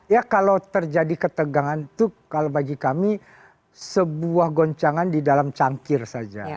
ya kalau terjadi ketegangan itu kalau bagi kami sebuah goncangan di dalam cangkir saja